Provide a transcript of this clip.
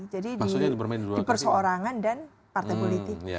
jadi di perseorangan dan partai politik